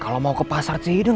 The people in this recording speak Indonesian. ya aku mau ke pasar cihidung